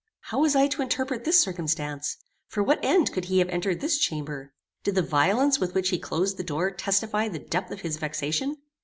How was I to interpret this circumstance? For what end could he have entered this chamber? Did the violence with which he closed the door testify the depth of his vexation?